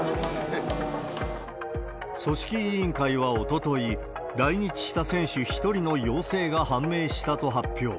組織委員会はおととい、来日した選手１人の陽性が判明したと発表。